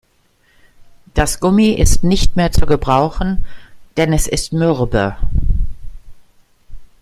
Das Gummi ist nicht mehr zu gebrauchen, denn es ist mürbe.